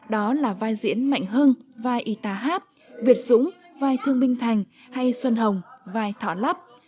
đó là vai diễn mạnh hưng vai y tá háp việt dũng vai thương minh thành hay xuân hồng vai thọ lắp